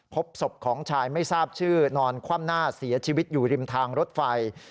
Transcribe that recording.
พบศพของชายไม่ทราบชื่อนอนคว่ำหน้าเสียชีวิตอยู่ริมทางรถไฟ